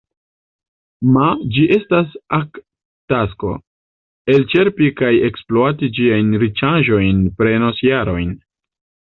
Ma ĝi estas ak tasko: elĉerpi kaj ekspluati ĝiajn riĉaĵojn prenos jarojn.